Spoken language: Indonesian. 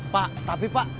pak tapi pak